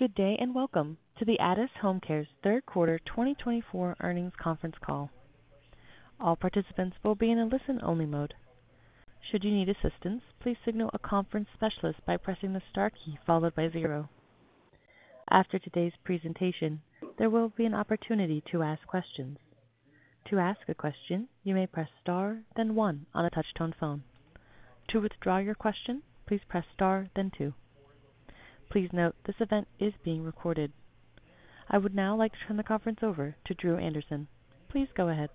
Good day and welcome to the Addus HomeCare's Third Quarter 2024 Earnings Conference Call. All participants will be in a listen-only mode. Should you need assistance, please signal a conference specialist by pressing the star key followed by zero. After today's presentation, there will be an opportunity to ask questions. To ask a question, you may press star, then one on a touch-tone phone. To withdraw your question, please press star, then two. Please note this event is being recorded. I would now like to turn the conference over to Dru Anderson. Please go ahead.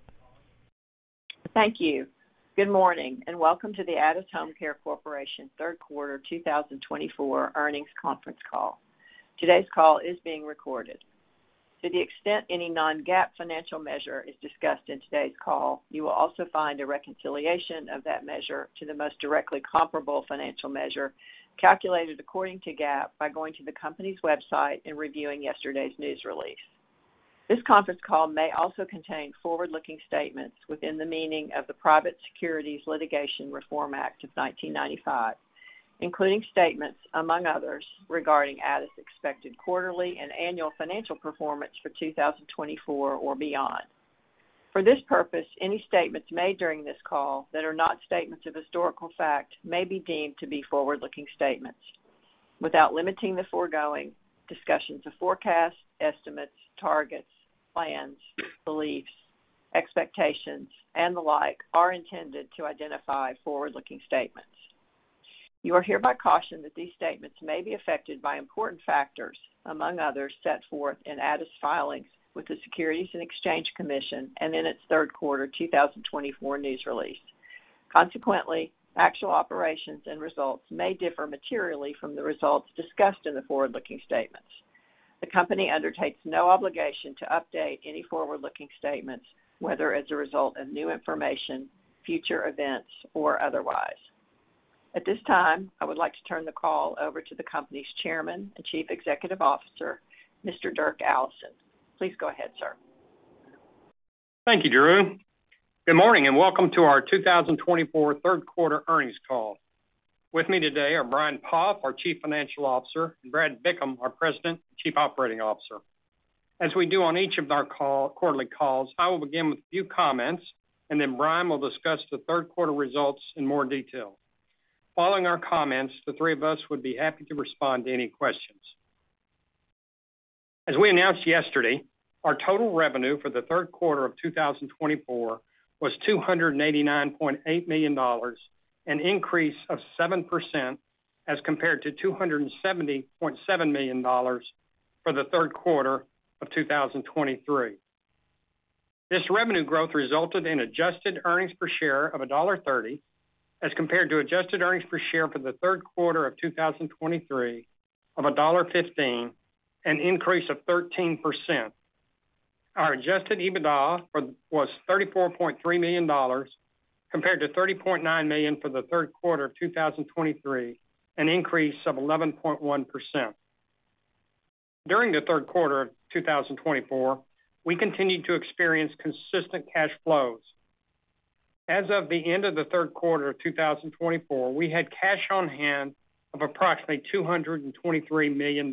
Thank you. Good morning and welcome to the Addus HomeCare Corporation third quarter 2024 Earnings Conference Call. Today's call is being recorded. To the extent any non-GAAP financial measure is discussed in today's call, you will also find a reconciliation of that measure to the most directly comparable financial measure calculated according to GAAP by going to the company's website and reviewing yesterday's news release. This conference call may also contain forward-looking statements within the meaning of the Private Securities Litigation Reform Act of 1995, including statements, among others, regarding Addus' expected quarterly and annual financial performance for 2024 or beyond. For this purpose, any statements made during this call that are not statements of historical fact may be deemed to be forward-looking statements. Without limiting the foregoing, discussions of forecasts, estimates, targets, plans, beliefs, expectations, and the like are intended to identify forward-looking statements. You are hereby cautioned that these statements may be affected by important factors, among others, set forth in Addus' filings with the Securities and Exchange Commission and in its third quarter 2024 news release. Consequently, actual operations and results may differ materially from the results discussed in the forward-looking statements. The company undertakes no obligation to update any forward-looking statements, whether as a result of new information, future events, or otherwise. At this time, I would like to turn the call over to the company's Chairman and Chief Executive Officer, Mr. Dirk Allison. Please go ahead, sir. Thank you, Dru. Good morning and welcome to our 2024 third quarter earnings call. With me today are Brian Poff, our Chief Financial Officer, and Brad Bickham, our President and Chief Operating Officer. As we do on each of our quarterly calls, I will begin with a few comments, and then Brian will discuss the third quarter results in more detail. Following our comments, the three of us would be happy to respond to any questions. As we announced yesterday, our total revenue for the third quarter of 2024 was $289.8 million, an increase of 7% as compared to $270.7 million for the third quarter of 2023. This revenue growth resulted in adjusted earnings per share of $1.30 as compared to adjusted earnings per share for the third quarter of 2023 of $1.15, an increase of 13%. Our Adjusted EBITDA was $34.3 million compared to $30.9 million for the third quarter of 2023, an increase of 11.1%. During the third quarter of 2024, we continued to experience consistent cash flows. As of the end of the third quarter of 2024, we had cash on hand of approximately $223 million.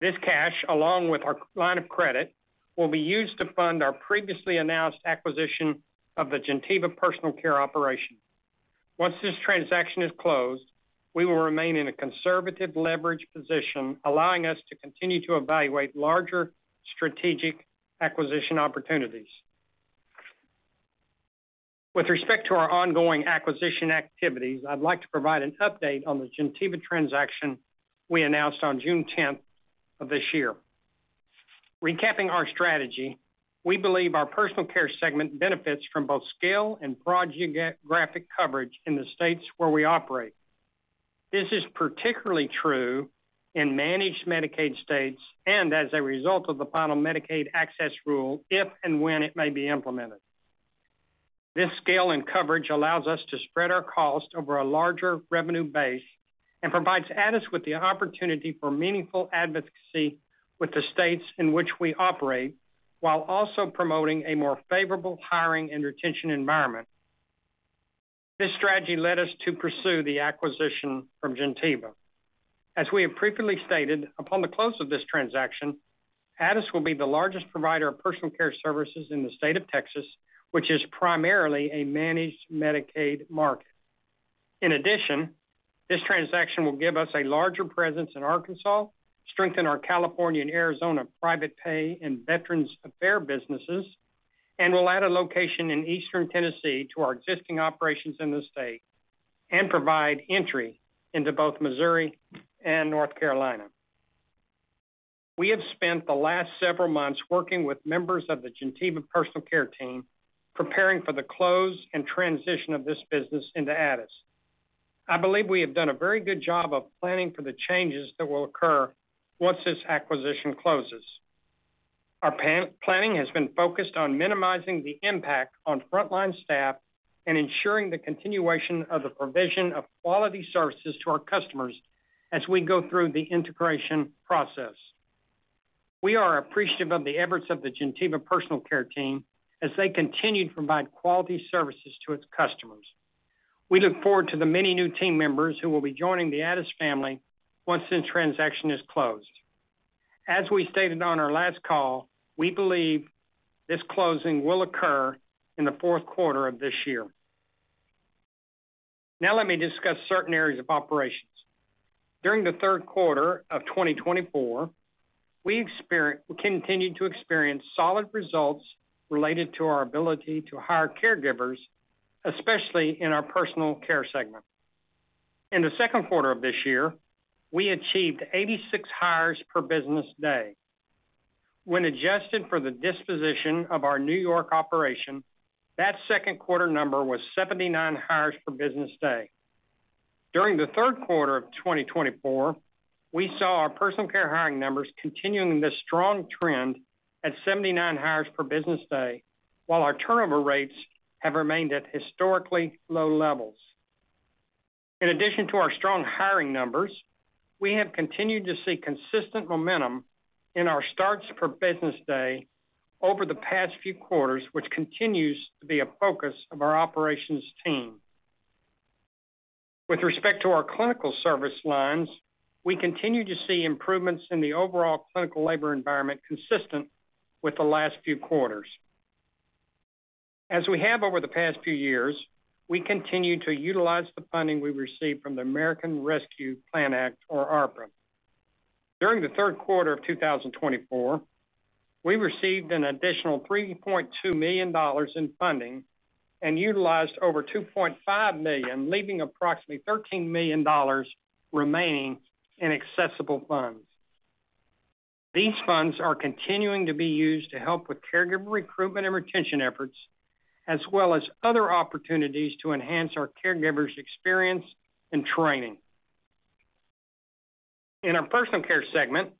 This cash, along with our line of credit, will be used to fund our previously announced acquisition of the Gentiva personal care operation. Once this transaction is closed, we will remain in a conservative leverage position, allowing us to continue to evaluate larger strategic acquisition opportunities. With respect to our ongoing acquisition activities, I'd like to provide an update on the Gentiva transaction we announced on June 10th of this year. Recapping our strategy, we believe our personal care segment benefits from both scale and broad geographic coverage in the states where we operate. This is particularly true in managed Medicaid states and as a result of the final Medicaid Access Rule if and when it may be implemented. This scale and coverage allows us to spread our cost over a larger revenue base and provides Addus with the opportunity for meaningful advocacy with the states in which we operate while also promoting a more favorable hiring and retention environment. This strategy led us to pursue the acquisition from Gentiva. As we have previously stated, upon the close of this transaction, Addus will be the largest provider of personal care services in the state of Texas, which is primarily a managed Medicaid market. In addition, this transaction will give us a larger presence in Arkansas, strengthen our California and Arizona private pay and Veterans Affairs businesses, and will add a location in eastern Tennessee to our existing operations in the state and provide entry into both Missouri and North Carolina. We have spent the last several months working with members of the Gentiva personal care team preparing for the close and transition of this business into Addus. I believe we have done a very good job of planning for the changes that will occur once this acquisition closes. Our planning has been focused on minimizing the impact on frontline staff and ensuring the continuation of the provision of quality services to our customers as we go through the integration process. We are appreciative of the efforts of the Gentiva personal care team as they continue to provide quality services to its customers. We look forward to the many new team members who will be joining the Addus family once this transaction is closed. As we stated on our last call, we believe this closing will occur in the fourth quarter of this year. Now, let me discuss certain areas of operations. During the third quarter of 2024, we continued to experience solid results related to our ability to hire caregivers, especially in our personal care segment. In the second quarter of this year, we achieved 86 hires per business day. When adjusted for the disposition of our New York operation, that second quarter number was 79 hires per business day. During the third quarter of 2024, we saw our personal care hiring numbers continuing this strong trend at 79 hires per business day, while our turnover rates have remained at historically low levels. In addition to our strong hiring numbers, we have continued to see consistent momentum in our starts per business day over the past few quarters, which continues to be a focus of our operations team. With respect to our clinical service lines, we continue to see improvements in the overall clinical labor environment consistent with the last few quarters. As we have over the past few years, we continue to utilize the funding we received from the American Rescue Plan Act, or ARPA. During the third quarter of 2024, we received an additional $3.2 million in funding and utilized over $2.5 million, leaving approximately $13 million remaining in accessible funds. These funds are continuing to be used to help with caregiver recruitment and retention efforts, as well as other opportunities to enhance our caregivers' experience and training. In our personal care segment,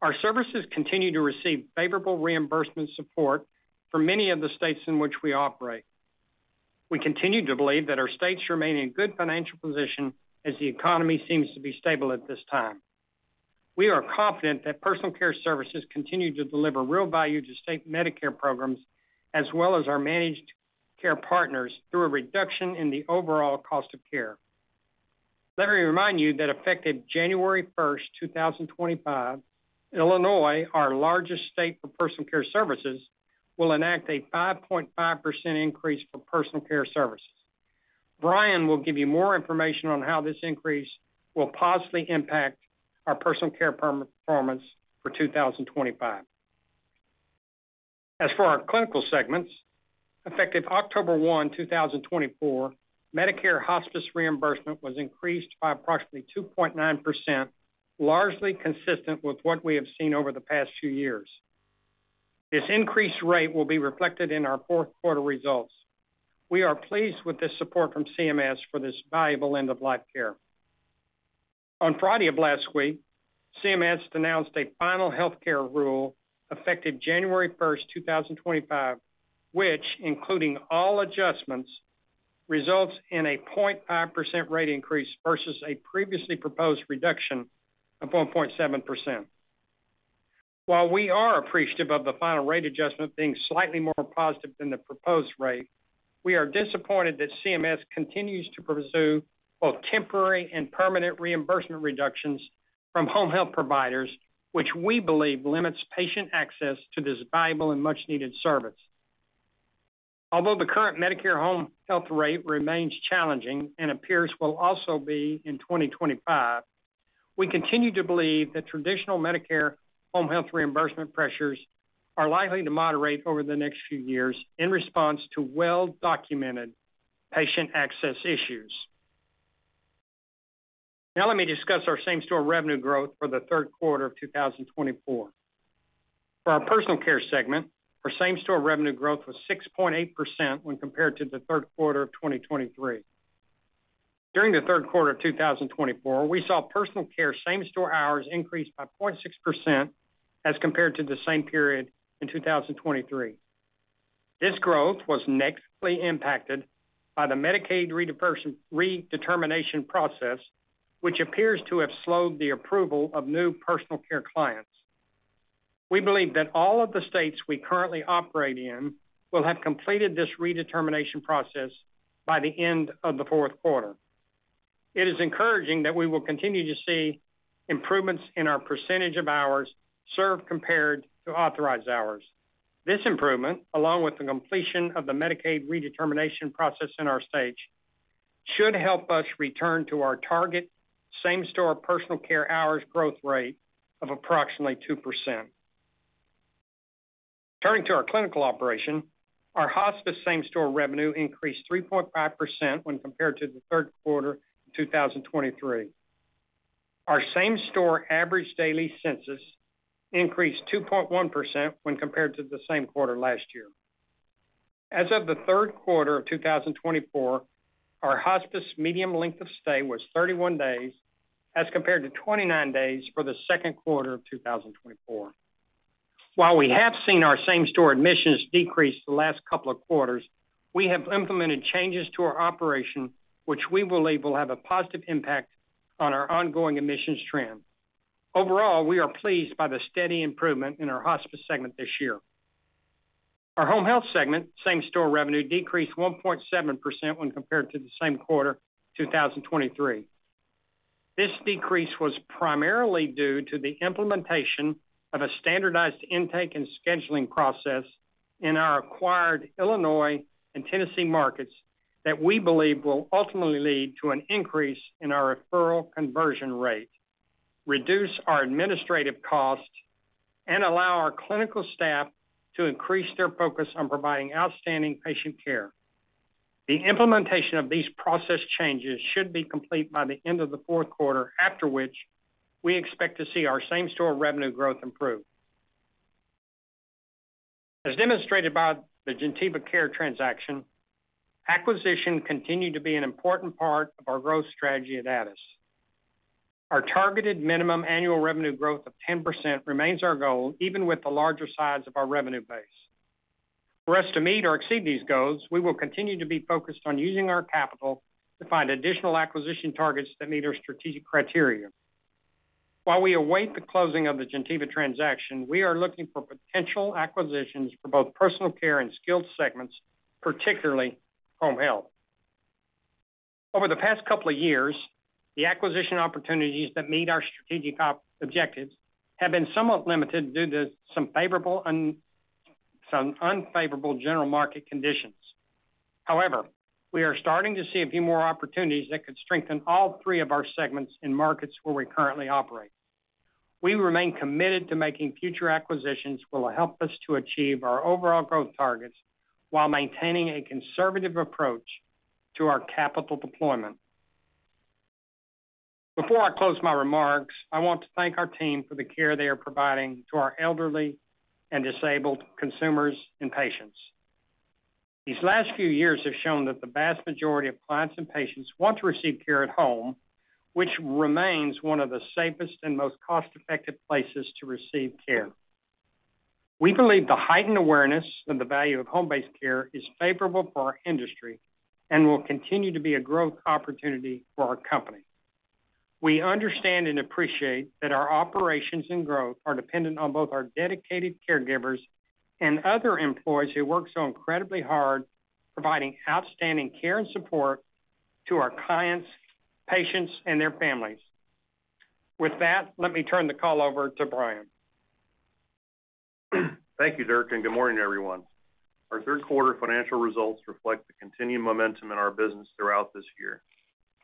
our services continue to receive favorable reimbursement support from many of the states in which we operate. We continue to believe that our states remain in good financial position as the economy seems to be stable at this time. We are confident that personal care services continue to deliver real value to state Medicare programs, as well as our managed care partners, through a reduction in the overall cost of care. Let me remind you that effective January 1st, 2025, Illinois, our largest state for personal care services, will enact a 5.5% increase for personal care services. Brian will give you more information on how this increase will positively impact our personal care performance for 2025. As for our clinical segments, effective October 1, 2024, Medicare hospice reimbursement was increased by approximately 2.9%, largely consistent with what we have seen over the past few years. This increased rate will be reflected in our fourth quarter results. We are pleased with the support from CMS for this valuable end-of-life care. On Friday of last week, CMS announced a final healthcare rule effective January 1st, 2025, which, including all adjustments, results in a 0.5% rate increase versus a previously proposed reduction of 1.7%. While we are appreciative of the final rate adjustment being slightly more positive than the proposed rate, we are disappointed that CMS continues to pursue both temporary and permanent reimbursement reductions from home health providers, which we believe limits patient access to this valuable and much-needed service. Although the current Medicare home health rate remains challenging and appears will also be in 2025, we continue to believe that traditional Medicare home health reimbursement pressures are likely to moderate over the next few years in response to well-documented patient access issues. Now, let me discuss our same-store revenue growth for the third quarter of 2024. For our personal care segment, our same-store revenue growth was 6.8% when compared to the third quarter of 2023. During the third quarter of 2024, we saw personal care same-store hours increase by 0.6% as compared to the same period in 2023. This growth was negatively impacted by the Medicaid redetermination process, which appears to have slowed the approval of new personal care clients. We believe that all of the states we currently operate in will have completed this redetermination process by the end of the fourth quarter. It is encouraging that we will continue to see improvements in our percentage of hours served compared to authorized hours. This improvement, along with the completion of the Medicaid redetermination process in our state, should help us return to our target same-store personal care hours growth rate of approximately 2%. Turning to our clinical operation, our hospice same-store revenue increased 3.5% when compared to the third quarter of 2023. Our same-store average daily census increased 2.1% when compared to the same quarter last year. As of the third quarter of 2024, our hospice median length of stay was 31 days as compared to 29 days for the second quarter of 2024. While we have seen our same-store admissions decrease the last couple of quarters, we have implemented changes to our operation, which we believe will have a positive impact on our ongoing admissions trend. Overall, we are pleased by the steady improvement in our hospice segment this year. Our home health segment same-store revenue decreased 1.7% when compared to the same quarter of 2023. This decrease was primarily due to the implementation of a standardized intake and scheduling process in our acquired Illinois and Tennessee markets that we believe will ultimately lead to an increase in our referral conversion rate, reduce our administrative costs, and allow our clinical staff to increase their focus on providing outstanding patient care. The implementation of these process changes should be complete by the end of the fourth quarter, after which we expect to see our same-store revenue growth improve. As demonstrated by the Gentiva transaction, acquisition continued to be an important part of our growth strategy at Addus. Our targeted minimum annual revenue growth of 10% remains our goal, even with the larger size of our revenue base. For us to meet or exceed these goals, we will continue to be focused on using our capital to find additional acquisition targets that meet our strategic criteria. While we await the closing of the Gentiva transaction, we are looking for potential acquisitions for both personal care and skilled segments, particularly home health. Over the past couple of years, the acquisition opportunities that meet our strategic objectives have been somewhat limited due to some favorable and some unfavorable general market conditions. However, we are starting to see a few more opportunities that could strengthen all three of our segments in markets where we currently operate. We remain committed to making future acquisitions will help us to achieve our overall growth targets while maintaining a conservative approach to our capital deployment. Before I close my remarks, I want to thank our team for the care they are providing to our elderly and disabled consumers and patients. These last few years have shown that the vast majority of clients and patients want to receive care at home, which remains one of the safest and most cost-effective places to receive care. We believe the heightened awareness of the value of home-based care is favorable for our industry and will continue to be a growth opportunity for our company. We understand and appreciate that our operations and growth are dependent on both our dedicated caregivers and other employees who work so incredibly hard providing outstanding care and support to our clients, patients, and their families. With that, let me turn the call over to Brian. Thank you, Dirk, and good morning, everyone. Our third quarter financial results reflect the continued momentum in our business throughout this year.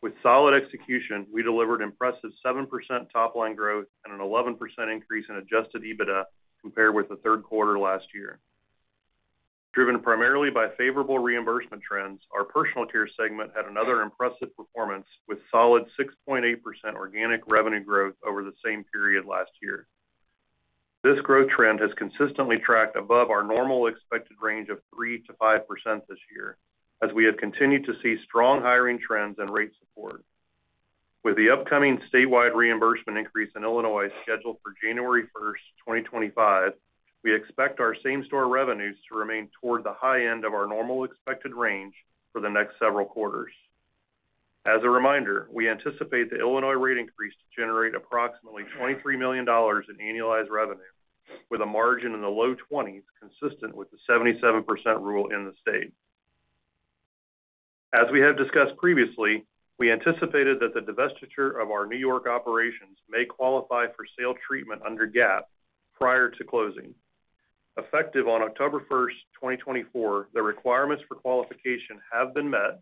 With solid execution, we delivered impressive 7% top-line growth and an 11% increase in Adjusted EBITDA compared with the third quarter last year. Driven primarily by favorable reimbursement trends, our personal care segment had another impressive performance with solid 6.8% organic revenue growth over the same period last year. This growth trend has consistently tracked above our normal expected range of 3%-5% this year, as we have continued to see strong hiring trends and rate support. With the upcoming statewide reimbursement increase in Illinois scheduled for January 1st, 2025, we expect our same-store revenues to remain toward the high end of our normal expected range for the next several quarters. As a reminder, we anticipate the Illinois rate increase to generate approximately $23 million in annualized revenue, with a margin in the low 20s consistent with the 77% rule in the state. As we have discussed previously, we anticipated that the divestiture of our New York operations may qualify for sale treatment under GAAP prior to closing. Effective on October 1st, 2024, the requirements for qualification have been met,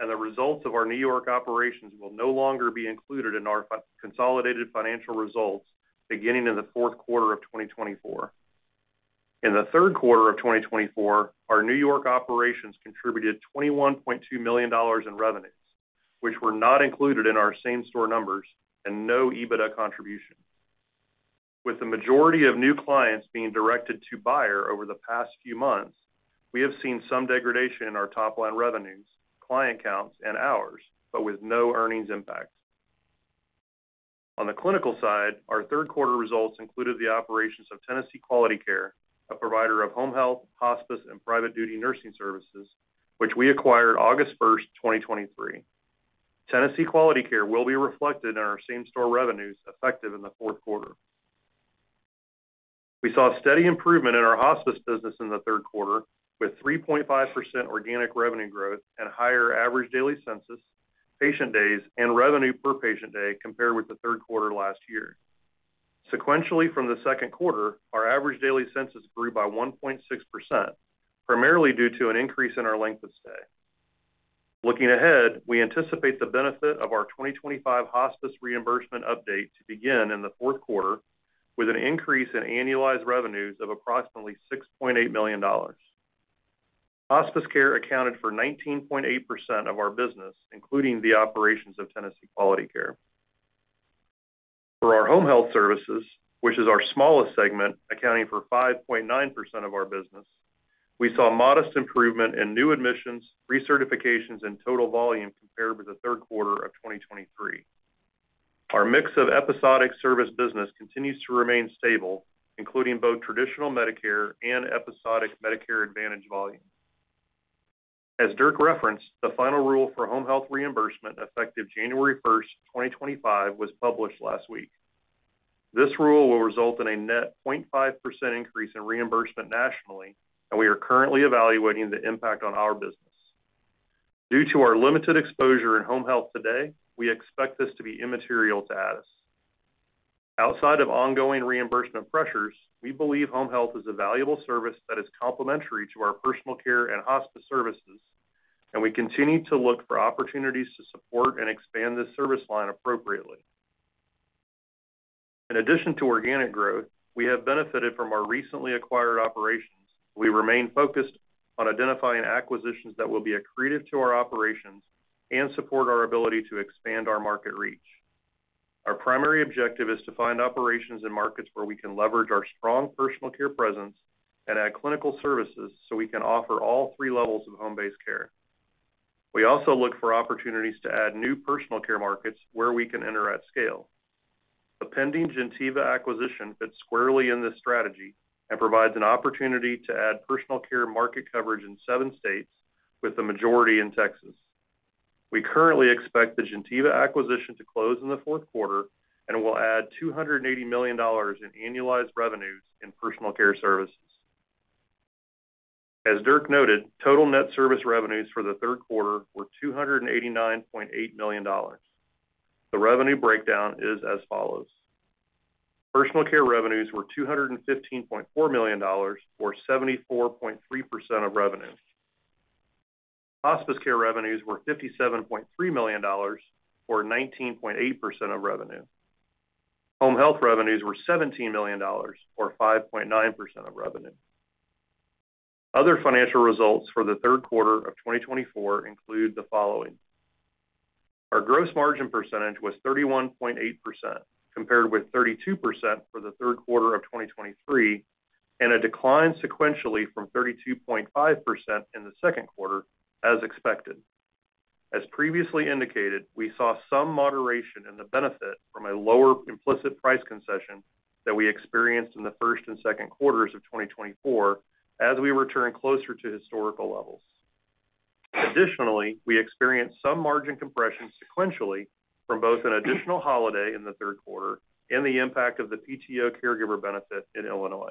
and the results of our New York operations will no longer be included in our consolidated financial results beginning in the fourth quarter of 2024. In the third quarter of 2024, our New York operations contributed $21.2 million in revenues, which were not included in our same-store numbers and no EBITDA contribution. With the majority of new clients being directed to buyer over the past few months, we have seen some degradation in our top-line revenues, client counts, and hours, but with no earnings impact. On the clinical side, our third quarter results included the operations of Tennessee Quality Care, a provider of home health, hospice, and private duty nursing services, which we acquired August 1st, 2023. Tennessee Quality Care will be reflected in our same-store revenues effective in the fourth quarter. We saw steady improvement in our hospice business in the third quarter, with 3.5% organic revenue growth and higher average daily census, patient days, and revenue per patient day compared with the third quarter last year. Sequentially, from the second quarter, our average daily census grew by 1.6%, primarily due to an increase in our length of stay. Looking ahead, we anticipate the benefit of our 2025 hospice reimbursement update to begin in the fourth quarter, with an increase in annualized revenues of approximately $6.8 million. Hospice care accounted for 19.8% of our business, including the operations of Tennessee Quality Care. For our home health services, which is our smallest segment, accounting for 5.9% of our business, we saw modest improvement in new admissions, recertifications, and total volume compared with the third quarter of 2023. Our mix of episodic service business continues to remain stable, including both traditional Medicare and episodic Medicare Advantage volume. As Dirk referenced, the final rule for home health reimbursement effective January 1st, 2025, was published last week. This rule will result in a net 0.5% increase in reimbursement nationally, and we are currently evaluating the impact on our business. Due to our limited exposure in home health today, we expect this to be immaterial to Addus. Outside of ongoing reimbursement pressures, we believe home health is a valuable service that is complementary to our personal care and hospice services, and we continue to look for opportunities to support and expand this service line appropriately. In addition to organic growth, we have benefited from our recently acquired operations. We remain focused on identifying acquisitions that will be accretive to our operations and support our ability to expand our market reach. Our primary objective is to find operations and markets where we can leverage our strong personal care presence and add clinical services so we can offer all three levels of home-based care. We also look for opportunities to add new personal care markets where we can enter at scale. The pending Gentiva acquisition fits squarely in this strategy and provides an opportunity to add personal care market coverage in seven states, with the majority in Texas. We currently expect the Gentiva acquisition to close in the fourth quarter and will add $280 million in annualized revenues in personal care services. As Dirk noted, total net service revenues for the third quarter were $289.8 million. The revenue breakdown is as follows. Personal care revenues were $215.4 million, or 74.3% of revenue. Hospice care revenues were $57.3 million, or 19.8% of revenue. Home health revenues were $17 million, or 5.9% of revenue. Other financial results for the third quarter of 2024 include the following. Our gross margin percentage was 31.8%, compared with 32% for the third quarter of 2023, and a decline sequentially from 32.5% in the second quarter, as expected. As previously indicated, we saw some moderation in the benefit from a lower implicit price concession that we experienced in the first and second quarters of 2024 as we returned closer to historical levels. Additionally, we experienced some margin compression sequentially from both an additional holiday in the third quarter and the impact of the PTO caregiver benefit in Illinois.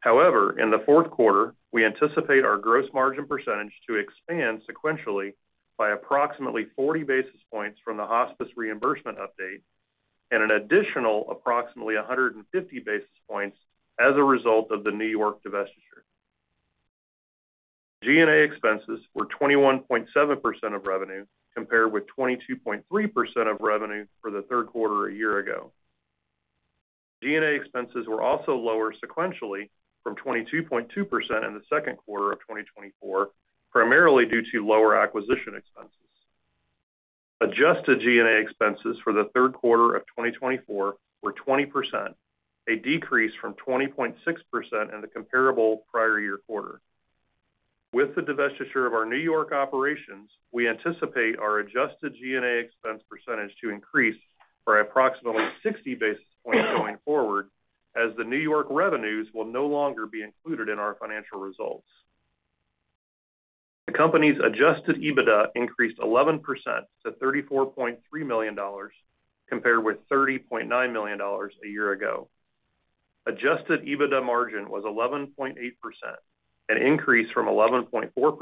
However, in the fourth quarter, we anticipate our gross margin percentage to expand sequentially by approximately 40 basis points from the hospice reimbursement update and an additional approximately 150 basis points as a result of the New York divestiture. G&A expenses were 21.7% of revenue, compared with 22.3% of revenue for the third quarter a year ago. G&A expenses were also lower sequentially from 22.2% in the second quarter of 2024, primarily due to lower acquisition expenses. Adjusted G&A expenses for the third quarter of 2024 were 20%, a decrease from 20.6% in the comparable prior year quarter. With the divestiture of our New York operations, we anticipate our adjusted G&A expense percentage to increase by approximately 60 basis points going forward, as the New York revenues will no longer be included in our financial results. The company's adjusted EBITDA increased 11% to $34.3 million, compared with $30.9 million a year ago. Adjusted EBITDA margin was 11.8%, an increase from 11.4% for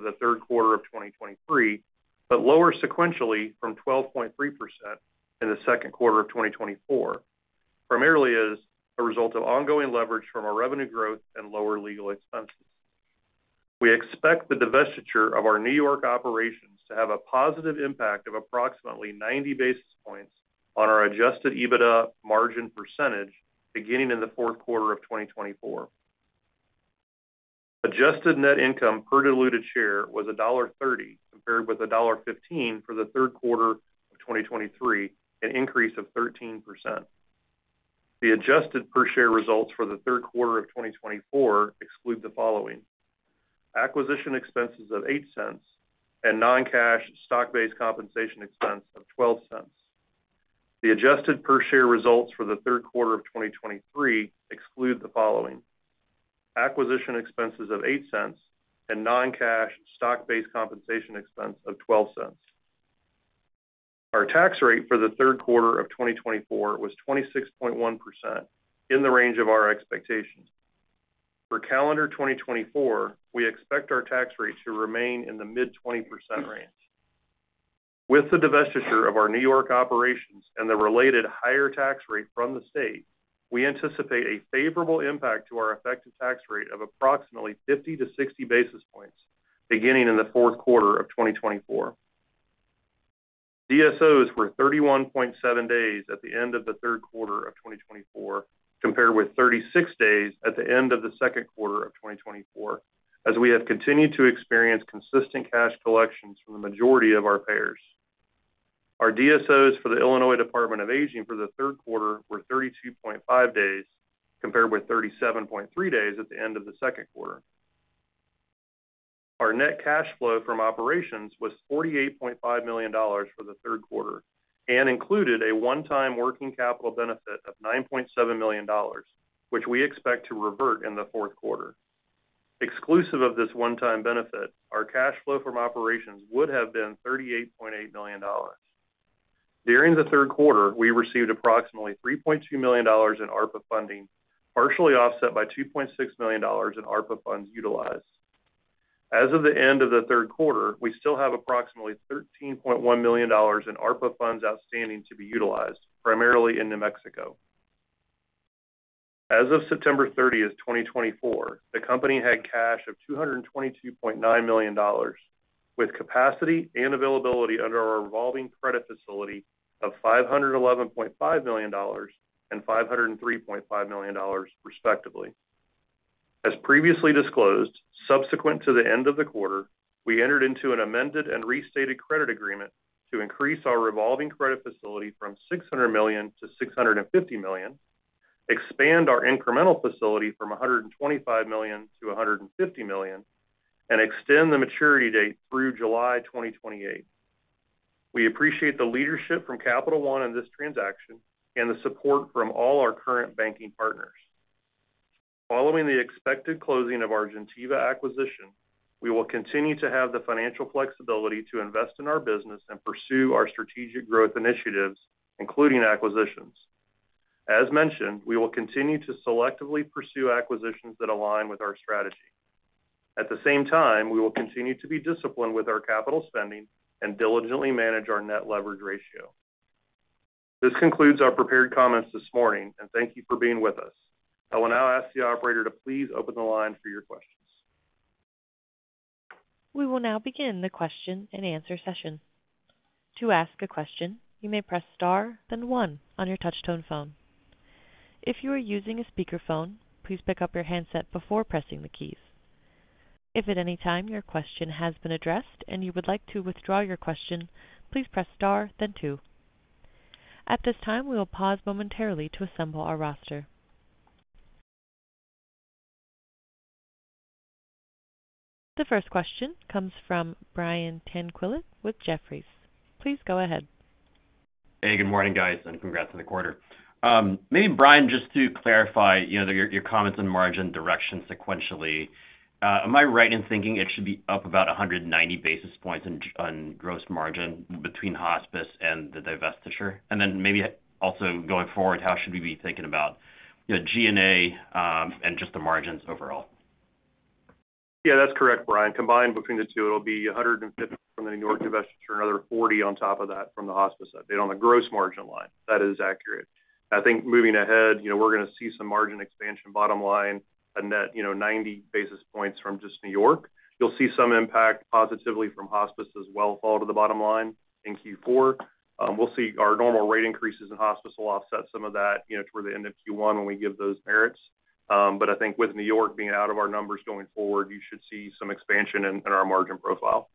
the third quarter of 2023, but lower sequentially from 12.3% in the second quarter of 2024, primarily as a result of ongoing leverage from our revenue growth and lower legal expenses. We expect the divestiture of our New York operations to have a positive impact of approximately 90 basis points on our adjusted EBITDA margin percentage beginning in the fourth quarter of 2024. Adjusted net income per diluted share was $1.30, compared with $1.15 for the third quarter of 2023, an increase of 13%. The adjusted per share results for the third quarter of 2024 exclude the following: acquisition expenses of $0.08 and non-cash stock-based compensation expense of $0.12. The adjusted per share results for the third quarter of 2023 exclude the following: acquisition expenses of $0.08 and non-cash stock-based compensation expense of $0.12. Our tax rate for the third quarter of 2024 was 26.1%, in the range of our expectations. For calendar 2024, we expect our tax rate to remain in the mid-20% range. With the divestiture of our New York operations and the related higher tax rate from the state, we anticipate a favorable impact to our effective tax rate of approximately 50 to 60 basis points beginning in the fourth quarter of 2024. DSOs were 31.7 days at the end of the third quarter of 2024, compared with 36 days at the end of the second quarter of 2024, as we have continued to experience consistent cash collections from the majority of our payers. Our DSOs for the Illinois Department of Aging for the third quarter were 32.5 days, compared with 37.3 days at the end of the second quarter. Our net cash flow from operations was $48.5 million for the third quarter and included a one-time working capital benefit of $9.7 million, which we expect to revert in the fourth quarter. Exclusive of this one-time benefit, our cash flow from operations would have been $38.8 million. During the third quarter, we received approximately $3.2 million in ARPA funding, partially offset by $2.6 million in ARPA funds utilized. As of the end of the third quarter, we still have approximately $13.1 million in ARPA funds outstanding to be utilized, primarily in New Mexico. As of September 30th, 2024, the company had cash of $222.9 million, with capacity and availability under our revolving credit facility of $511.5 million and $503.5 million, respectively. As previously disclosed, subsequent to the end of the quarter, we entered into an amended and restated credit agreement to increase our revolving credit facility from $600 million to $650 million, expand our incremental facility from $125 million to $150 million, and extend the maturity date through July 2028. We appreciate the leadership from Capital One in this transaction and the support from all our current banking partners. Following the expected closing of our Gentiva acquisition, we will continue to have the financial flexibility to invest in our business and pursue our strategic growth initiatives, including acquisitions. As mentioned, we will continue to selectively pursue acquisitions that align with our strategy. At the same time, we will continue to be disciplined with our capital spending and diligently manage our net leverage ratio. This concludes our prepared comments this morning, and thank you for being with us. I will now ask the operator to please open the line for your questions. We will now begin the question and answer session. To ask a question, you may press star, then one on your Touchtone phone. If you are using a speakerphone, please pick up your handset before pressing the keys. If at any time your question has been addressed and you would like to withdraw your question, please press star, then two. At this time, we will pause momentarily to assemble our roster. The first question comes from Brian Tanquilut with Jefferies. Please go ahead. Hey, good morning, guys, and congrats on the quarter. Maybe, Brian, just to clarify, you know, your comments on margin direction sequentially, am I right in thinking it should be up about 190 basis points on gross margin between hospice and the divestiture? And then maybe also going forward, how should we be thinking about, you know, G&A and just the margins overall? Yeah, that's correct, Brian. Combined between the two, it'll be 150 from the New York divestiture and another 40 on top of that from the hospice update on the gross margin line. That is accurate. I think moving ahead, you know, we're going to see some margin expansion bottom line, a net, you know, 90 basis points from just New York. You'll see some impact positively from hospice as well fall to the bottom line in Q4. We'll see our normal rate increases in hospice will offset some of that, you know, toward the end of Q1 when we give those merits. But I think with New York being out of our numbers going forward, you should see some expansion in our margin profile.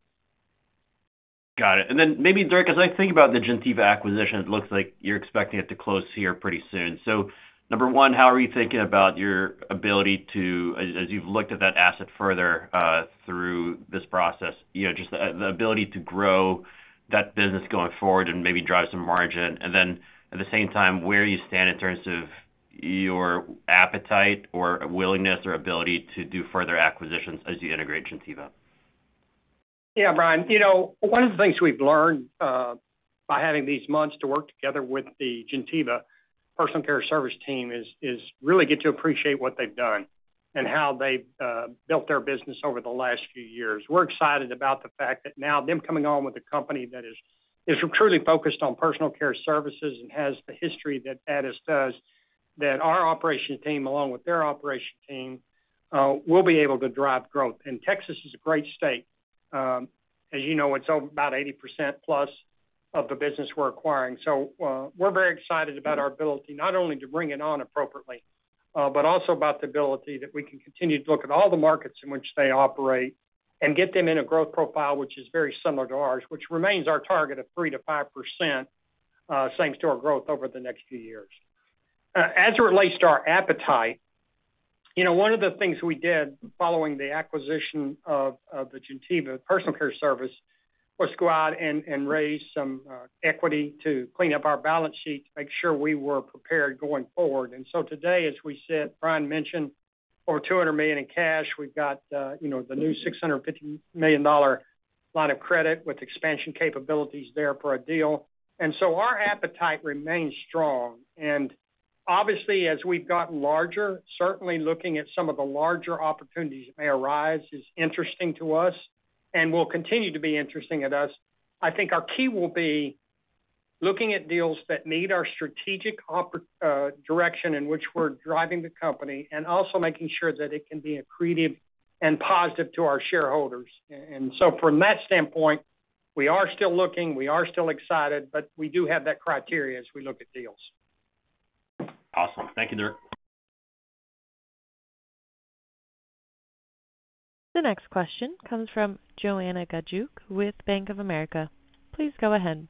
Got it, and then maybe, Dirk, as I think about the Gentiva acquisition, it looks like you're expecting it to close here pretty soon. So number one, how are you thinking about your ability to, as you've looked at that asset further through this process, you know, just the ability to grow that business going forward and maybe drive some margin? And then at the same time, where do you stand in terms of your appetite or willingness or ability to do further acquisitions as you integrate Gentiva? Yeah, Brian, you know, one of the things we've learned by having these months to work together with the Gentiva personal care service team is really get to appreciate what they've done and how they've built their business over the last few years. We're excited about the fact that now them coming on with a company that is truly focused on personal care services and has the history that Addus does, that our operations team, along with their operations team, will be able to drive growth. And Texas is a great state. As you know, it's about 80% plus of the business we're acquiring. So we're very excited about our ability not only to bring it on appropriately, but also about the ability that we can continue to look at all the markets in which they operate and get them in a growth profile, which is very similar to ours, which remains our target of 3%-5% thanks to our growth over the next few years. As it relates to our appetite, you know, one of the things we did following the acquisition of the Gentiva personal care service was go out and raise some equity to clean up our balance sheet, make sure we were prepared going forward. And so today, as we said, Brian mentioned, over $200 million in cash. We've got, you know, the new $650 million line of credit with expansion capabilities there for a deal. And so our appetite remains strong. Obviously, as we've gotten larger, certainly looking at some of the larger opportunities that may arise is interesting to us and will continue to be interesting to us. I think our key will be looking at deals that meet our strategic direction in which we're driving the company and also making sure that it can be accretive and positive to our shareholders. From that standpoint, we are still looking, we are still excited, but we do have that criteria as we look at deals. Awesome. Thank you, Dirk. The next question comes from Joanna Gajuk with Bank of America. Please go ahead.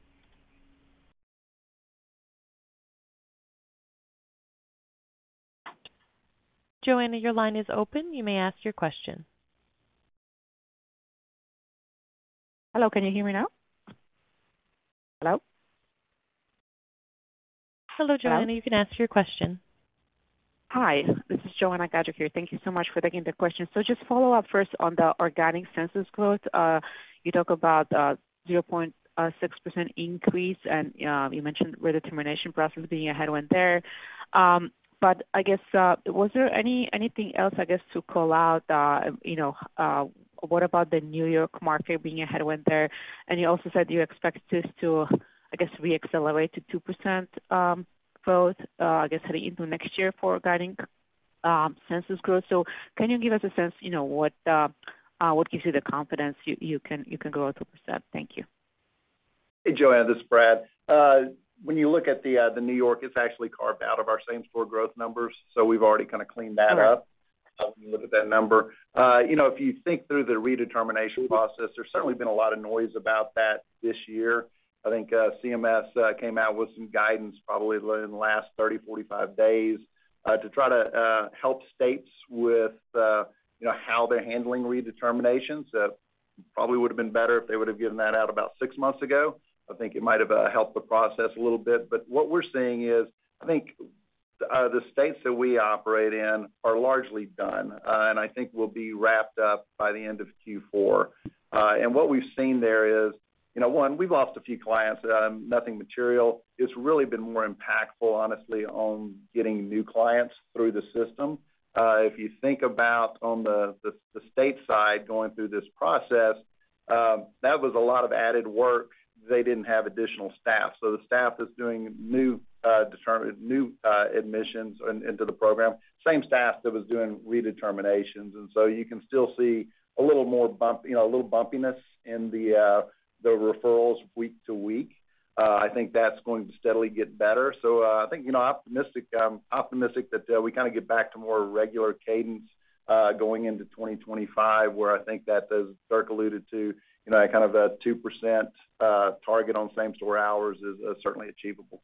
Joanna, your line is open. You may ask your question. Hello, can you hear me now? Hello? Hello, Joanna. You can ask your question. Hi, this is Joanna Gajuk here. Thank you so much for taking the question, so just follow up first on the organic census growth. You talk about 0.6% increase and you mentioned the determination process being a headwind there. But I guess, was there anything else, I guess, to call out? You know, what about the New York market being a headwind there? And you also said you expect this to, I guess, re-accelerate to 2% growth, I guess, heading into next year for organic census growth, so can you give us a sense, you know, what gives you the confidence you can grow 2%? Thank you. Hey, Joanna, this is Brad. When you look at the New York, it's actually carved out of our same store growth numbers. So we've already kind of cleaned that up. When you look at that number, you know, if you think through the redetermination process, there's certainly been a lot of noise about that this year. I think CMS came out with some guidance probably in the last 30-45 days to try to help states with, you know, how they're handling redeterminations. It probably would have been better if they would have given that out about six months ago. I think it might have helped the process a little bit. But what we're seeing is, I think the states that we operate in are largely done, and I think will be wrapped up by the end of Q4. And what we've seen there is, you know, one, we've lost a few clients, nothing material. It's really been more impactful, honestly, on getting new clients through the system. If you think about on the state side going through this process, that was a lot of added work. They didn't have additional staff. So the staff is doing new admissions into the program, same staff that was doing redeterminations. And so you can still see a little more bump, you know, a little bumpiness in the referrals week to week. I think that's going to steadily get better. So I think, you know, optimistic that we kind of get back to more regular cadence going into 2025, where I think that, as Dirk alluded to, you know, that kind of 2% target on same store hours is certainly achievable.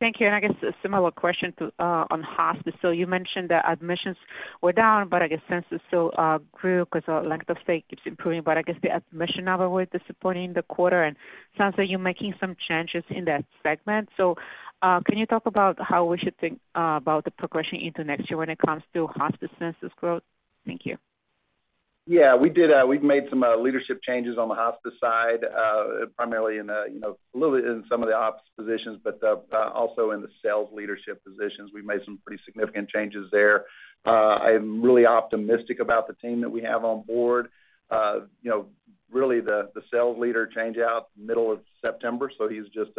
Thank you. And I guess a similar question on hospice. So you mentioned that admissions were down, but I guess census still grew because the length of stay keeps improving. But I guess the admission number was disappointing in the quarter, and it sounds like you're making some changes in that segment. So can you talk about how we should think about the progression into next year when it comes to hospice census growth? Thank you. Yeah, we did. We've made some leadership changes on the hospice side, primarily in, you know, a little bit in some of the ops positions, but also in the sales leadership positions. We've made some pretty significant changes there. I'm really optimistic about the team that we have on board. You know, really the sales leader changed out middle of September, so he's just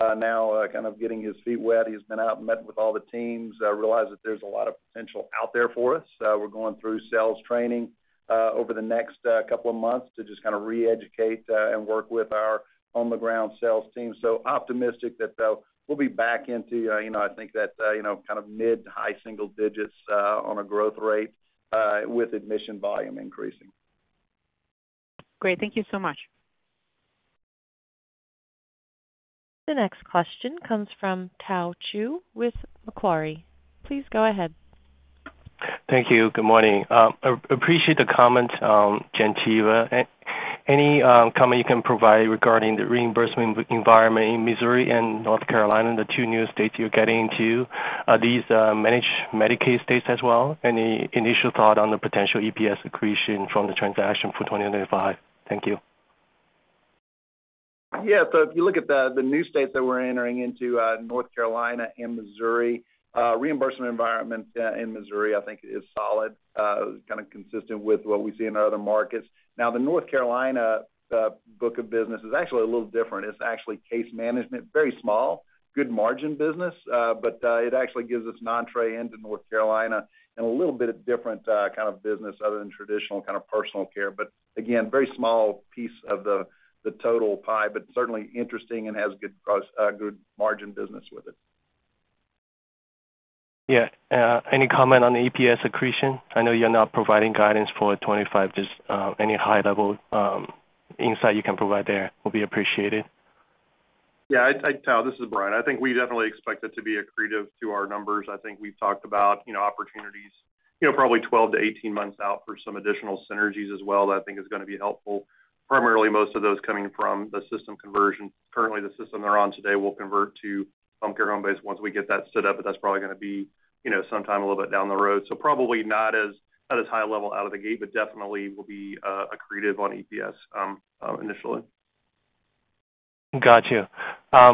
now kind of getting his feet wet. He's been out and met with all the teams, realized that there's a lot of potential out there for us. We're going through sales training over the next couple of months to just kind of re-educate and work with our on-the-ground sales team. So optimistic that we'll be back into, you know, I think that, you know, kind of mid- to high-single digits on a growth rate with admission volume increasing. Great. Thank you so much. The next question comes from Tao Qiu with Macquarie. Please go ahead. Thank you. Good morning. Appreciate the comment, Gentiva. Any comment you can provide regarding the reimbursement environment in Missouri and North Carolina, the two new states you're getting into? Are these managed Medicaid states as well? Any initial thought on the potential EPS accretion from the transaction for 2025? Thank you. Yeah, so if you look at the new states that we're entering into North Carolina and Missouri, reimbursement environment in Missouri, I think, is solid, kind of consistent with what we see in other markets. Now, the North Carolina book of business is actually a little different. It's actually case management, very small, good margin business, but it actually gives us an entree into North Carolina and a little bit of different kind of business other than traditional kind of personal care. But again, very small piece of the total pie, but certainly interesting and has good margin business with it. Yeah. Any comment on the EPS accretion? I know you're not providing guidance for 2025, just any high-level insight you can provide there would be appreciated. Yeah, this is Brian. I think we definitely expect it to be accretive to our numbers. I think we've talked about, you know, opportunities, you know, probably 12 to 18 months out for some additional synergies as well that I think is going to be helpful, primarily most of those coming from the system conversion. Currently, the system they're on today will convert to Homecare Homebase once we get that set up, but that's probably going to be, you know, sometime a little bit down the road. So probably not as high level out of the gate, but definitely will be accretive on EPS initially. Gotcha.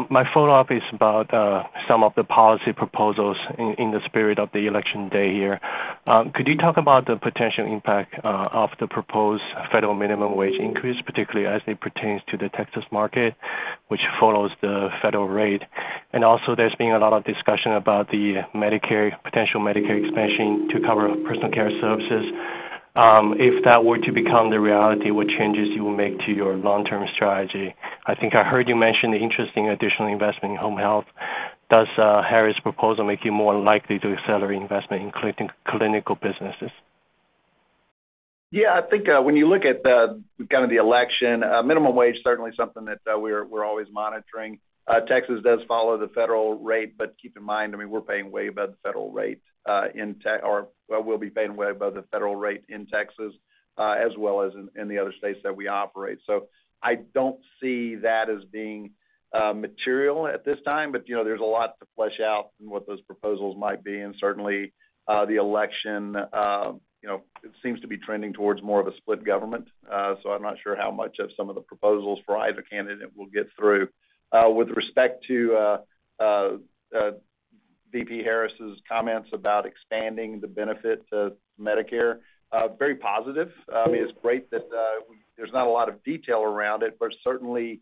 My follow-up is about some of the policy proposals in the spirit of the election day here. Could you talk about the potential impact of the proposed federal minimum wage increase, particularly as it pertains to the Texas market, which follows the federal rate? And also, there's been a lot of discussion about the Medicare, potential Medicare expansion to cover personal care services. If that were to become the reality, what changes you will make to your long-term strategy? I think I heard you mention the interesting additional investment in home health. Does Harris' proposal make you more likely to accelerate investment in clinical businesses? Yeah, I think when you look at kind of the election, minimum wage is certainly something that we're always monitoring. Texas does follow the federal rate, but keep in mind, I mean, we're paying way above the federal rate in Texas, or we'll be paying way above the federal rate in Texas as well as in the other states that we operate. So I don't see that as being material at this time, but, you know, there's a lot to flesh out in what those proposals might be. And certainly, the election, you know, it seems to be trending towards more of a split government. So I'm not sure how much of some of the proposals for either candidate will get through. With respect to VP Harris's comments about expanding the benefit to Medicare, very positive. I mean, it's great that there's not a lot of detail around it, but certainly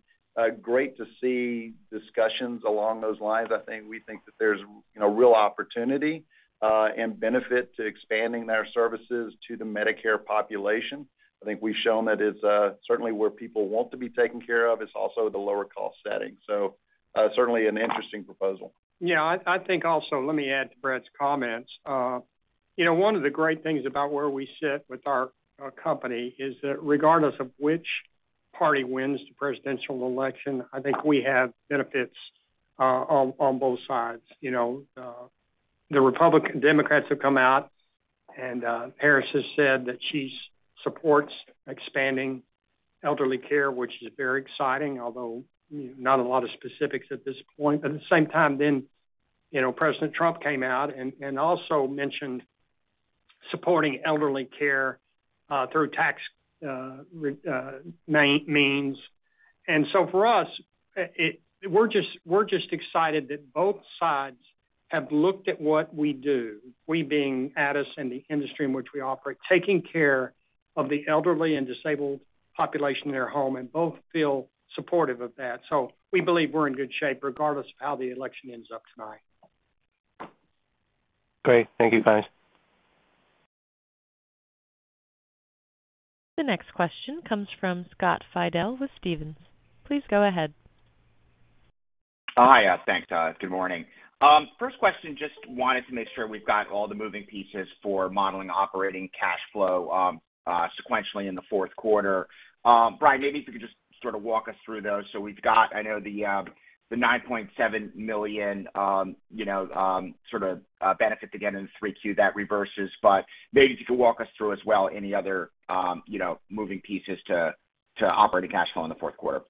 great to see discussions along those lines. I think we think that there's, you know, real opportunity and benefit to expanding their services to the Medicare population. I think we've shown that it's certainly where people want to be taken care of. It's also the lower-cost setting. So certainly an interesting proposal. Yeah, I think also, let me add to Brad's comments. You know, one of the great things about where we sit with our company is that regardless of which party wins the presidential election, I think we have benefits on both sides. You know, the Republican Democrats have come out and Harris has said that she supports expanding elderly care, which is very exciting, although not a lot of specifics at this point. At the same time, then, you know, President Trump came out and also mentioned supporting elderly care through tax means, and so for us, we're just excited that both sides have looked at what we do, we being Addus and the industry in which we operate, taking care of the elderly and disabled population in their home, and both feel supportive of that, so we believe we're in good shape regardless of how the election ends up tonight. Great. Thank you, guys. The next question comes from Scott Fidel with Stephens. Please go ahead. Hi. Thanks, Todd. Good morning. First question, just wanted to make sure we've got all the moving pieces for modeling operating cash flow sequentially in the fourth quarter. Brian, maybe if you could just sort of walk us through those. So we've got, I know, the $9.7 million, you know, sort of benefit to get in the 3Q that reverses, but maybe if you could walk us through as well any other, you know, moving pieces to operating cash flow in the fourth quarter.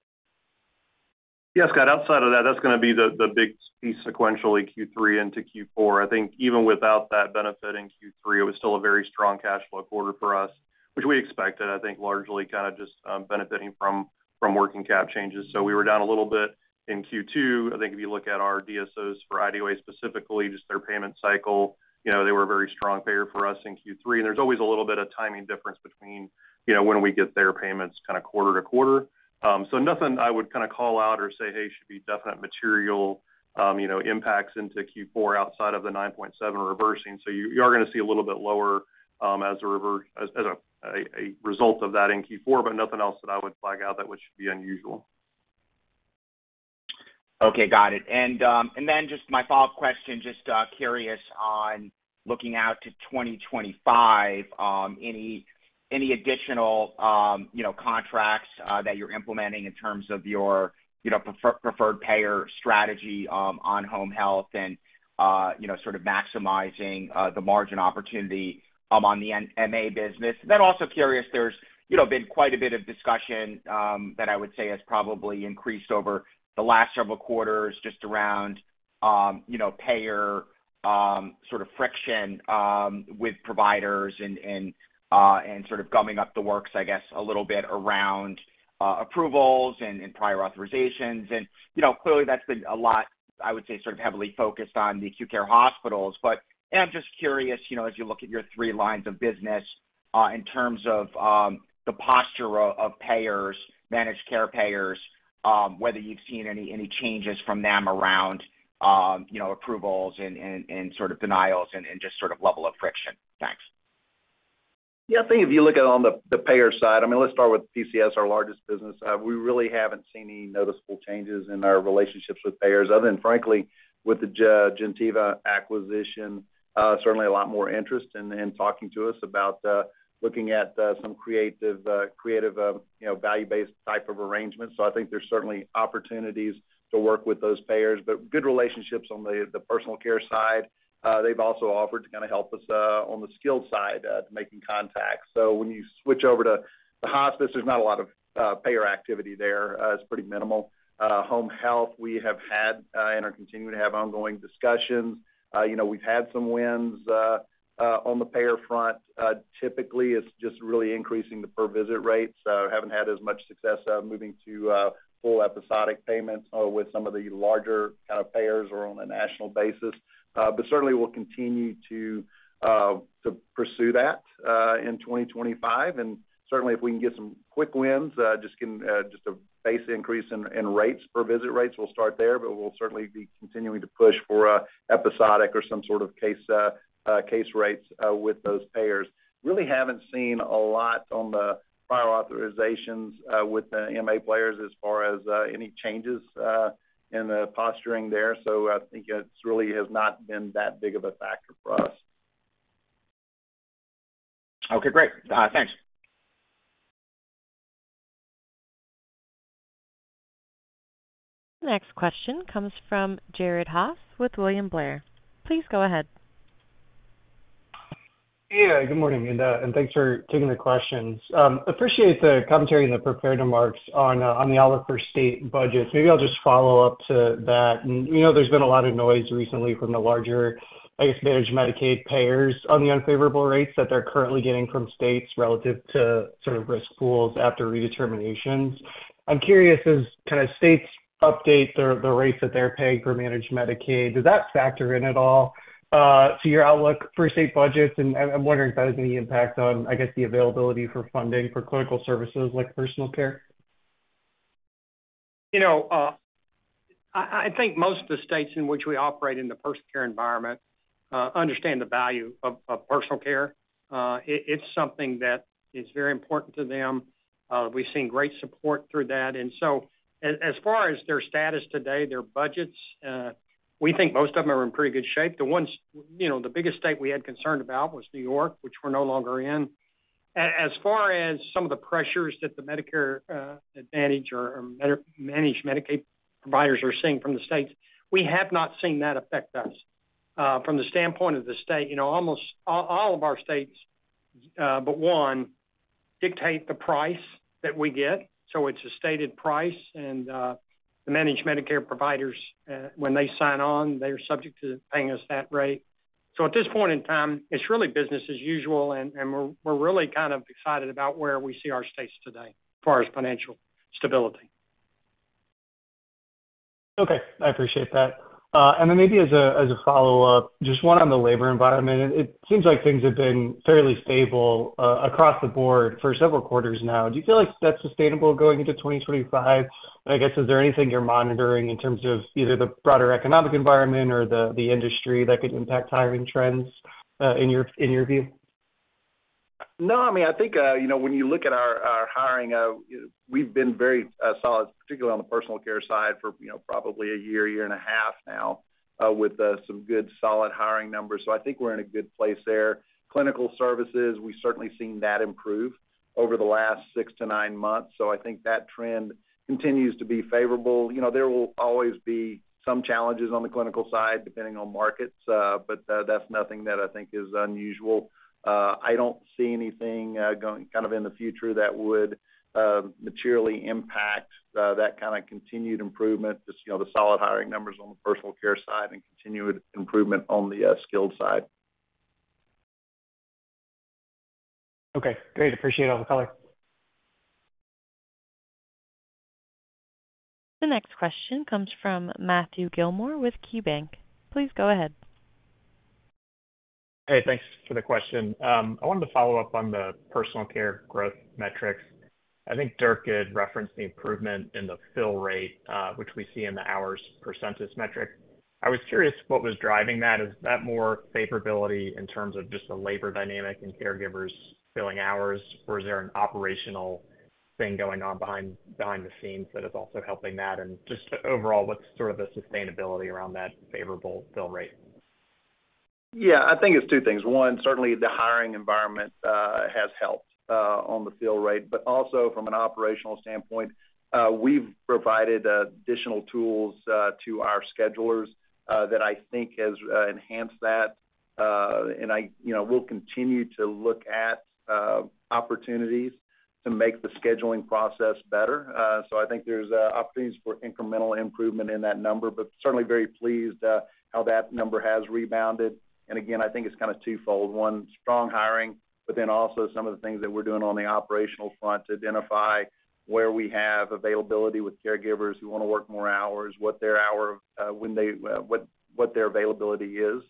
Yeah, Scott, outside of that, that's going to be the big piece sequentially Q3 into Q4. I think even without that benefit in Q3, it was still a very strong cash flow quarter for us, which we expected, I think, largely kind of just benefiting from working cap changes. So we were down a little bit in Q2. I think if you look at our DSOs for IDOA specifically, just their payment cycle, you know, they were a very strong payer for us in Q3. And there's always a little bit of timing difference between, you know, when we get their payments kind of quarter to quarter. So nothing I would kind of call out or say, hey, should be definite material, you know, impacts into Q4 outside of the 9.7 reversing. So you are going to see a little bit lower as a result of that in Q4, but nothing else that I would flag out that would be unusual. Okay. Got it. And then just my follow-up question, just curious on looking out to 2025, any additional, you know, contracts that you're implementing in terms of your, you know, preferred payer strategy on home health and, you know, sort of maximizing the margin opportunity on the MA business? Then also curious, there's, you know, been quite a bit of discussion that I would say has probably increased over the last several quarters just around, you know, payer sort of friction with providers and sort of gumming up the works, I guess, a little bit around approvals and prior authorizations. And, you know, clearly that's been a lot, I would say, sort of heavily focused on the acute care hospitals. But I'm just curious, you know, as you look at your three lines of business in terms of the posture of payers, managed care payers, whether you've seen any changes from them around, you know, approvals and sort of denials and just sort of level of friction? Thanks. Yeah. I think if you look at it on the payer side, I mean, let's start with PCS, our largest business. We really haven't seen any noticeable changes in our relationships with payers other than, frankly, with the Gentiva acquisition, certainly a lot more interest in talking to us about looking at some creative, you know, value-based type of arrangements. So I think there's certainly opportunities to work with those payers, but good relationships on the personal care side. They've also offered to kind of help us on the skilled side to make contacts. So when you switch over to the hospice, there's not a lot of payer activity there. It's pretty minimal. Home health, we have had and are continuing to have ongoing discussions. You know, we've had some wins on the payer front. Typically, it's just really increasing the per-visit rates. Haven't had as much success moving to full episodic payments with some of the larger kind of payers or on a national basis. But certainly, we'll continue to pursue that in 2025. And certainly, if we can get some quick wins, just a base increase in rates, per-visit rates, we'll start there, but we'll certainly be continuing to push for episodic or some sort of case rates with those payers. Really haven't seen a lot on the prior authorizations with the MA players as far as any changes in the posturing there. So I think it really has not been that big of a factor for us. Okay. Great. Thanks. The next question comes from Jared Haase with William Blair. Please go ahead. Yeah. Good morning. And thanks for taking the questions. Appreciate the commentary and the prepared remarks on the overall state budgets. Maybe I'll just follow up to that. And, you know, there's been a lot of noise recently from the larger, I guess, managed Medicaid payers on the unfavorable rates that they're currently getting from states relative to sort of risk pools after redeterminations. I'm curious, as kind of states update the rates that they're paying for managed Medicaid, does that factor in at all to your outlook for state budgets? And I'm wondering if that has any impact on, I guess, the availability for funding for clinical services like personal care. You know, I think most of the states in which we operate in the personal care environment understand the value of personal care. It's something that is very important to them. We've seen great support through that. And so as far as their status today, their budgets, we think most of them are in pretty good shape. The ones, you know, the biggest state we had concern about was New York, which we're no longer in. As far as some of the pressures that the Medicare Advantage or managed Medicaid providers are seeing from the states, we have not seen that affect us. From the standpoint of the state, you know, almost all of our states, but one, dictate the price that we get. So it's a stated price. And the managed Medicaid providers, when they sign on, they are subject to paying us that rate. So at this point in time, it's really business as usual. And we're really kind of excited about where we see our states today as far as financial stability. Okay. I appreciate that. And then maybe as a follow-up, just one on the labor environment. It seems like things have been fairly stable across the board for several quarters now. Do you feel like that's sustainable going into 2025? I guess, is there anything you're monitoring in terms of either the broader economic environment or the industry that could impact hiring trends in your view? No. I mean, I think, you know, when you look at our hiring, we've been very solid, particularly on the personal care side for, you know, probably a year, year and a half now with some good solid hiring numbers. So I think we're in a good place there. Clinical services, we've certainly seen that improve over the last six to nine months. So I think that trend continues to be favorable. You know, there will always be some challenges on the clinical side depending on markets, but that's nothing that I think is unusual. I don't see anything kind of in the future that would materially impact that kind of continued improvement, just, you know, the solid hiring numbers on the personal care side and continued improvement on the skilled side. Okay. Great. Appreciate it. I'll call it. The next question comes from Matthew Gillmor with KeyBanc. Please go ahead. Hey, thanks for the question. I wanted to follow up on the personal care growth metrics. I think Dirk had referenced the improvement in the fill rate, which we see in the hours percentage metric. I was curious what was driving that. Is that more favorability in terms of just the labor dynamic and caregivers filling hours, or is there an operational thing going on behind the scenes that is also helping that? And just overall, what's sort of the sustainability around that favorable fill rate? Yeah. I think it's two things. One, certainly the hiring environment has helped on the fill rate, but also from an operational standpoint, we've provided additional tools to our schedulers that I think has enhanced that. And I, you know, will continue to look at opportunities to make the scheduling process better. So I think there's opportunities for incremental improvement in that number, but certainly very pleased how that number has rebounded. And again, I think it's kind of twofold. One, strong hiring, but then also some of the things that we're doing on the operational front to identify where we have availability with caregivers who want to work more hours, what their hour, what their availability is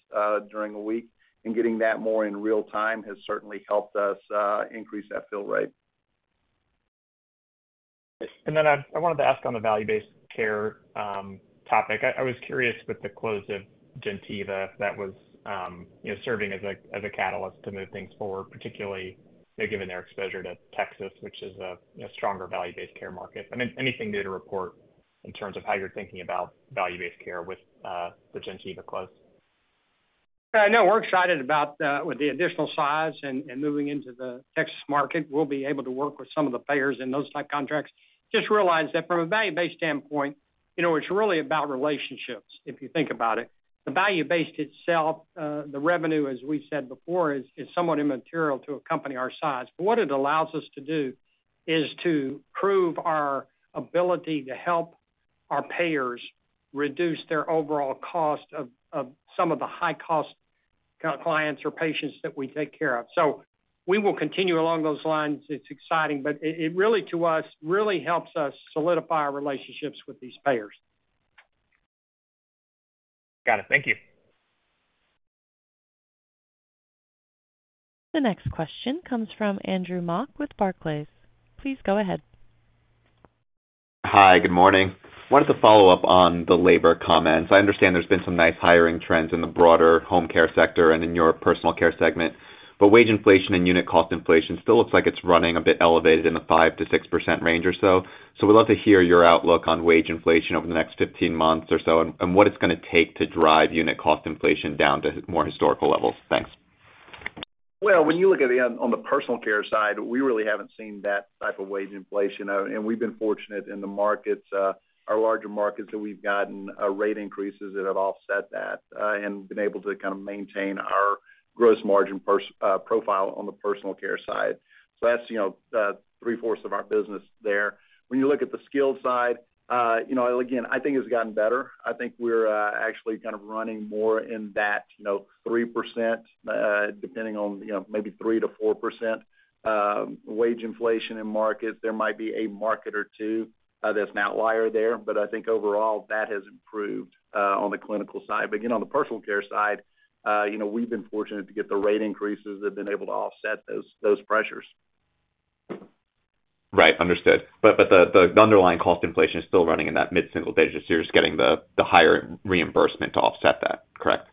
during the week. And getting that more in real time has certainly helped us increase that fill rate. And then I wanted to ask on the value-based care topic. I was curious with the close of Gentiva that was, you know, serving as a catalyst to move things forward, particularly, you know, given their exposure to Texas, which is a stronger value-based care market. I mean, anything new to report in terms of how you're thinking about value-based care with the Gentiva close? No, we're excited about the additional size and moving into the Texas market. We'll be able to work with some of the payers in those type contracts. Just realize that from a value-based standpoint, you know, it's really about relationships if you think about it. The value-based itself, the revenue, as we said before, is somewhat immaterial to a company our size. But what it allows us to do is to prove our ability to help our payers reduce their overall cost of some of the high-cost clients or patients that we take care of. So we will continue along those lines. It's exciting, but it really, to us, really helps us solidify our relationships with these payers. Got it. Thank you. The next question comes from Andrew Mok with Barclays. Please go ahead. Hi. Good morning. I wanted to follow up on the labor comments. I understand there's been some nice hiring trends in the broader home care sector and in your personal care segment, but wage inflation and unit cost inflation still looks like it's running a bit elevated in the 5%-6% range or so. So we'd love to hear your outlook on wage inflation over the next 15 months or so and what it's going to take to drive unit cost inflation down to more historical levels. Thanks. When you look at it on the personal care side, we really haven't seen that type of wage inflation. We've been fortunate in the markets, our larger markets that we've gotten rate increases that have offset that and been able to kind of maintain our gross margin profile on the personal care side. That's, you know, three-fourths of our business there. When you look at the skilled side, you know, again, I think it's gotten better. I think we're actually kind of running more in that, you know, 3%, depending on, you know, maybe 3%-4% wage inflation in markets. There might be a market or two that's an outlier there, but I think overall that has improved on the clinical side. But again, on the personal care side, you know, we've been fortunate to get the rate increases that have been able to offset those pressures. Right. Understood. But the underlying cost inflation is still running in that mid-single digits. You're just getting the higher reimbursement to offset that. Correct?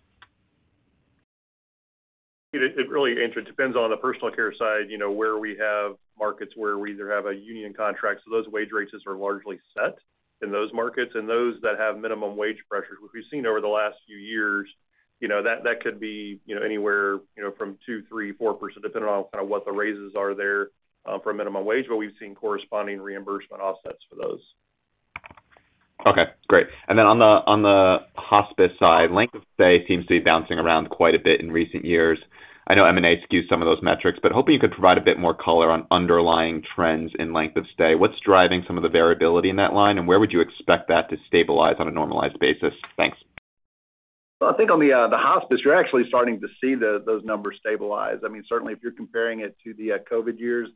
It really depends on the personal care side, you know, where we have markets where we either have a union contract, so those wage raises are largely set in those markets, and those that have minimum wage pressures, which we've seen over the last few years, you know, that could be, you know, anywhere, you know, from 2%, 3%, 4%, depending on kind of what the raises are there for minimum wage, but we've seen corresponding reimbursement offsets for those. Okay. Great. And then on the hospice side, length of stay seems to be bouncing around quite a bit in recent years. I know M&A skews some of those metrics, but hoping you could provide a bit more color on underlying trends in length of stay. What's driving some of the variability in that line, and where would you expect that to stabilize on a normalized basis? Thanks. I think on the hospice, you're actually starting to see those numbers stabilize. I mean, certainly if you're comparing it to the COVID years,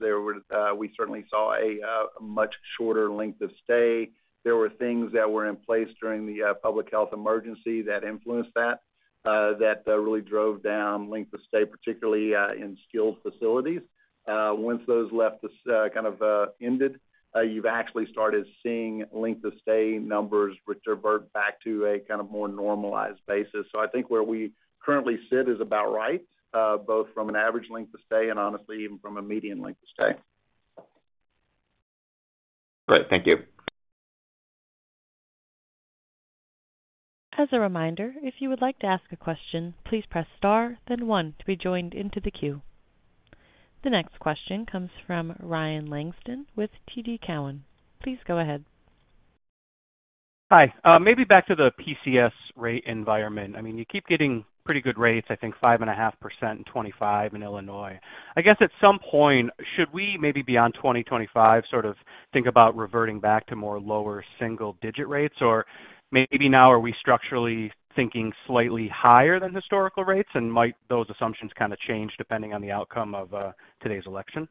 we certainly saw a much shorter length of stay. There were things that were in place during the public health emergency that influenced that, that really drove down length of stay, particularly in skilled facilities. Once those left kind of ended, you've actually started seeing length of stay numbers which are back to a kind of more normalized basis. I think where we currently sit is about right, both from an average length of stay and honestly even from a median length of stay. Great. Thank you. As a reminder, if you would like to ask a question, please press star, then one to be joined into the queue. The next question comes from Ryan Langston with TD Cowen. Please go ahead. Hi. Maybe back to the PCS rate environment. I mean, you keep getting pretty good rates, I think 5.5% and 25% in Illinois. I guess at some point, should we maybe beyond 2025 sort of think about reverting back to more lower single-digit rates? Or maybe now are we structurally thinking slightly higher than historical rates, and might those assumptions kind of change depending on the outcome of today's election?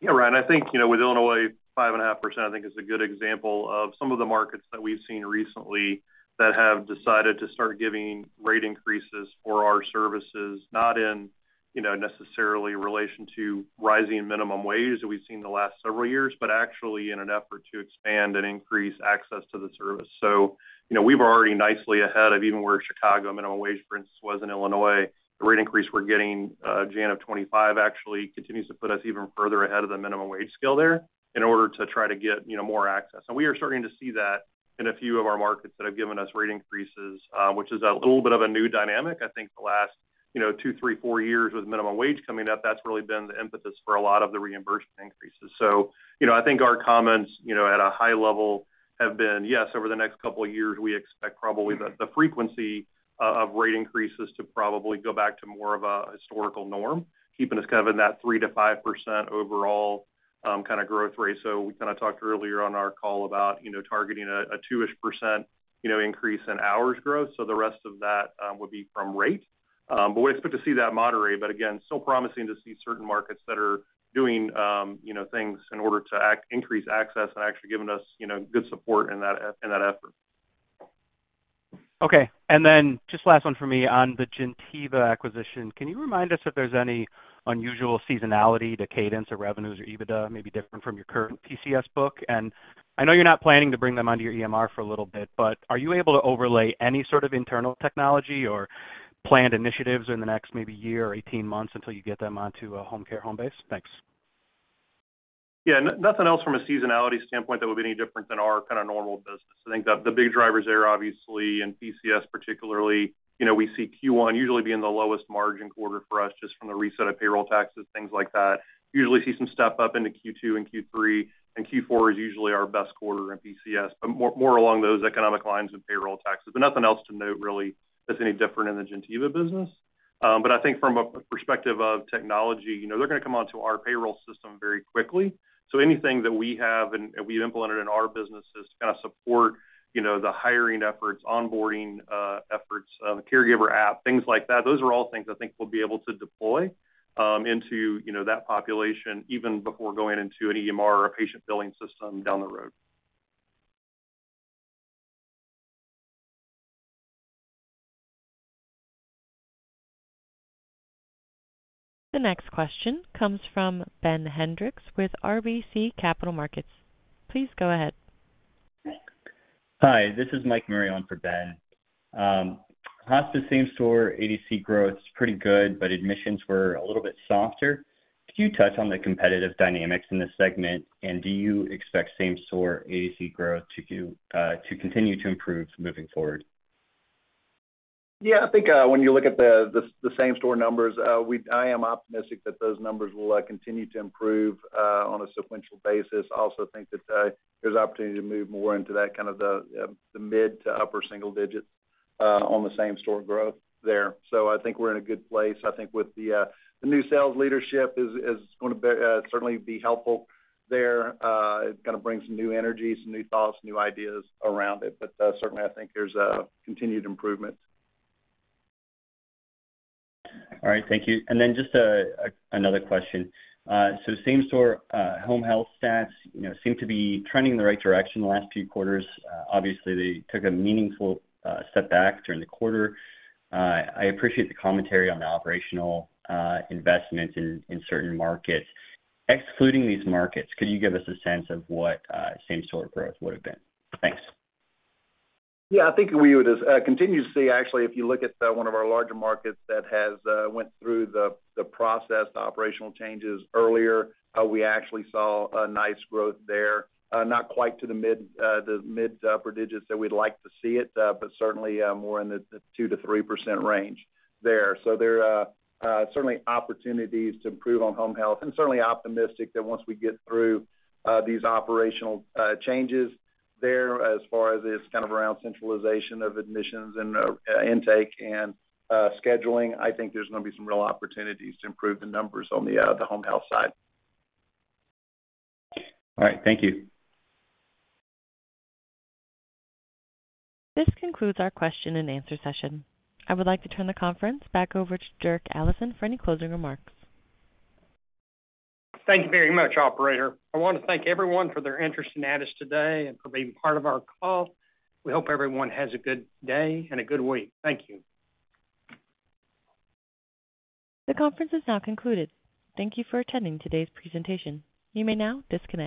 Yeah, Ryan, I think, you know, with Illinois, 5.5%, I think is a good example of some of the markets that we've seen recently that have decided to start giving rate increases for our services, not in, you know, necessarily relation to rising minimum wages that we've seen the last several years, but actually in an effort to expand and increase access to the service. So, you know, we've already nicely ahead of even where Chicago minimum wage, for instance, was in Illinois. The rate increase we're getting in January of 2025 actually continues to put us even further ahead of the minimum wage scale there in order to try to get, you know, more access, and we are starting to see that in a few of our markets that have given us rate increases, which is a little bit of a new dynamic. I think the last, you know, two, three, four years with minimum wage coming up, that's really been the impetus for a lot of the reimbursement increases. So, you know, I think our comments, you know, at a high level have been, yes, over the next couple of years, we expect probably the frequency of rate increases to probably go back to more of a historical norm, keeping us kind of in that 3%-5% overall kind of growth rate. So we kind of talked earlier on our call about, you know, targeting a 2-ish%, you know, increase in hours growth. So the rest of that would be from rate. But we expect to see that moderate, but again, still promising to see certain markets that are doing, you know, things in order to increase access and actually giving us, you know, good support in that effort. Okay. And then just last one for me on the Gentiva acquisition. Can you remind us if there's any unusual seasonality, the cadence of revenues or EBITDA maybe different from your current PCS book? And I know you're not planning to bring them onto your EMR for a little bit, but are you able to overlay any sort of internal technology or planned initiatives in the next maybe year or 18 months until you get them onto a Homecare Homebase? Thanks. Yeah. Nothing else from a seasonality standpoint that would be any different than our kind of normal business. I think the big drivers there, obviously, in PCS particularly, you know, we see Q1 usually being the lowest margin quarter for us just from the reset of payroll taxes, things like that. We usually see some step up into Q2 and Q3, and Q4 is usually our best quarter in PCS, but more along those economic lines and payroll taxes. Nothing else to note really that's any different in the Gentiva business. I think from a perspective of technology, you know, they're going to come onto our payroll system very quickly. So anything that we have and we've implemented in our businesses to kind of support, you know, the hiring efforts, onboarding efforts, the caregiver app, things like that, those are all things I think we'll be able to deploy into, you know, that population even before going into an EMR or a patient billing system down the road. The next question comes from Ben Hendrix with RBC Capital Markets. Please go ahead. Hi. This is Mike Murray for Ben. Hospice same-store ADC growth is pretty good, but admissions were a little bit softer. Could you touch on the competitive dynamics in this segment, and do you expect same-store ADC growth to continue to improve moving forward? Yeah. I think when you look at the same-store numbers, I am optimistic that those numbers will continue to improve on a sequential basis. I also think that there's opportunity to move more into that kind of the mid to upper single digits on the same-store growth there. So I think we're in a good place. I think with the new sales leadership, it's going to certainly be helpful there. It kind of brings some new energy, some new thoughts, new ideas around it. But certainly, I think there's continued improvement. All right. Thank you. And then just anoroother question. So same-store home health stats, you know, seem to be trending in the right direction the last few quarters. Obviously, they took a meaningful step back during the quarter. I appreciate the commentary on the operational investment in certain markets. Excluding these markets, could you give us a sense of what same-store growth would have been? Thanks. Yeah. I think we would continue to see, actually, if you look at one of our larger markets that has went through the process, the operational changes earlier, we actually saw a nice growth there, not quite to the mid to upper digits that we'd like to see it, but certainly more in the 2% to 3% range there. So there are certainly opportunities to improve on home health. And certainly optimistic that once we get through these operational changes there, as far as it's kind of around centralization of admissions and intake and scheduling, I think there's going to be some real opportunities to improve the numbers on the home health side. All right. Thank you. This concludes our question and answer session. I would like to turn the conference back over to Dirk Allison for any closing remarks. Thank you very much, operator. I want to thank everyone for their interest in Addus today and for being part of our call. We hope everyone has a good day and a good week. Thank you. The conference is now concluded. Thank you for attending today's presentation. You may now disconnect.